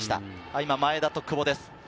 今、前田と久保です。